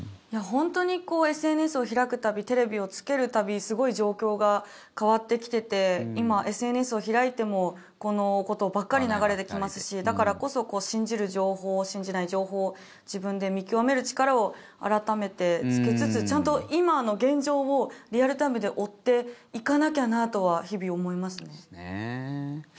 本当にＳＮＳを開く度テレビをつける度すごい状況が変わってきてて今、ＳＮＳを開いてもこのことばっかり流れてきますしだからこそ信じる情報、信じない情報を自分で見極める力を改めてつけつつちゃんと今の現状をリアルタイムで追っていかなきゃなとは日々、思いますね。